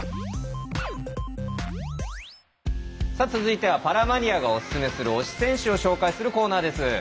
さあ続いてはパラマニアがおすすめする「推し選手」を紹介するコーナーです。